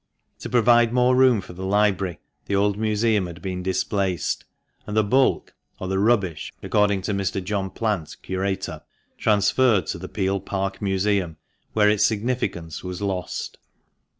To provide more room tor the library, the old museum had been displaced, and the bulk (or the " rubbish," according to Mr. John Plant, curator) transferred to the Peel Park Museum, where its significance was lost.